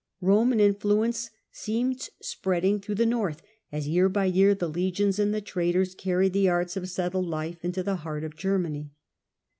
Roman influence seemed spreading through the North, as year by year the legions and the traders carried the arts of settled life into the heart of Germany.